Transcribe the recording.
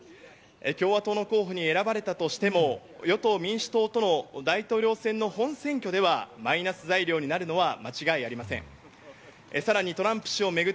共和党の候補に選ばれたとしても、与党民主党との大統領選の本選挙ではマイナス材料になるのは間違いありません。